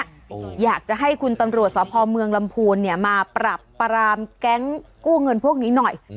อยากจะให้คุณตำรวจสพเมืองลำพูนเนี่ยมาปรับปรามแก๊งกู้เงินพวกนี้หน่อย